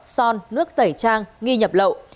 son nước tẩy trang nghi nhập lộ